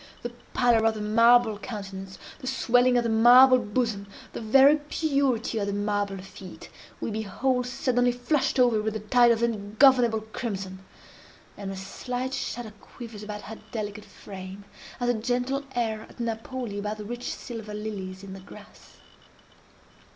The pallor of the marble countenance, the swelling of the marble bosom, the very purity of the marble feet, we behold suddenly flushed over with a tide of ungovernable crimson; and a slight shudder quivers about her delicate frame, as a gentle air at Napoli about the rich silver lilies in the grass.